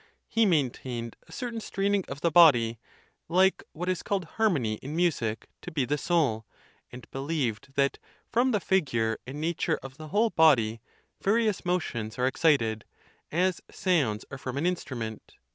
He maintained a certain straining of the body, like what is called harmony in music, to be the soul, and believed that, from the figure and nature of the whole body, various mo tions are excited, as sounds are from an instrument.